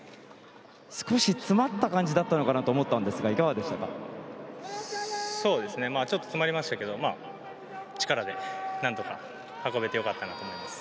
少し詰まった感じだったのかなと思ったんですがちょっと詰まりましたけど力で何とか運べて良かったなと思います。